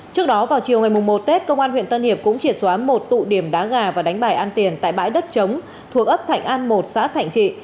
trước đó vào chiều ngày một tết công an huyện tân hiệp cũng triệt xóa một tụ điểm đá gà và đánh bài ăn tiền tại bãi đất chống thuộc ấp thạnh an một xã thạnh trị